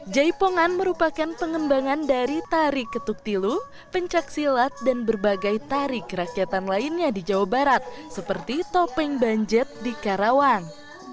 jaipongan merupakan pengembangan dari tari ketuk tilu pencaksilat dan berbagai tari kerakyatan lainnya di jawa barat seperti topeng banjet di karawang